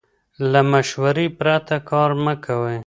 له مشورې پرته کار مه کوئ.